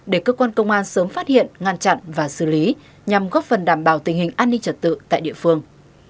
để cơ quan công an sớm phát hiện ngăn chặn và xử lý nhằm góp phần đảm bảo tình hình an ninh trật tự tại địa phương